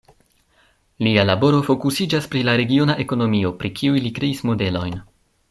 Lia laboro fokusiĝas pri la regiona ekonomio, pri kiuj li kreis modelojn.